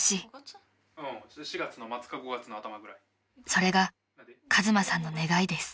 ［それが和真さんの願いです］